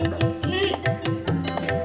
terima kasih pak